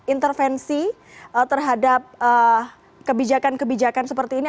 intervensi terhadap kebijakan kebijakan seperti ini